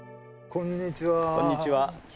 こんにちは。